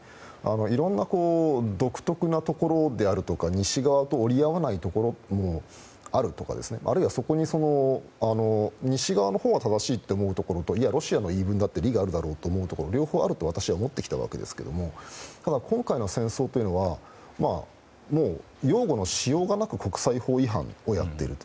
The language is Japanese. いろんな独特なところであるとか西側と折り合わないところにあるとかあるいは、そこに西側のほうが正しいと思うところといや、ロシアの言い分にだって利があるだろうと両方あると私は思ってきたわけですがただ、今回の戦争というのはもう、擁護のしようがなく国際法違反でやっていると。